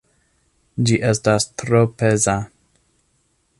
Ĝi estas tro peza.